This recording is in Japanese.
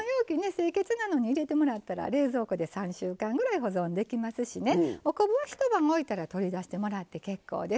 清潔なのに入れてもらったら冷蔵庫で３週間ぐらい保存できますしねお昆布は一晩おいたら取り出してもらって結構です。